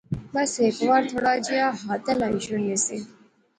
بس ہیک وار تھوڑا جیا ہتھ ہلائی شوڑنے سے